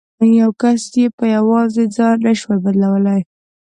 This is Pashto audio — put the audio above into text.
یو کس یې په یوازې ځان نه شي بدلولای.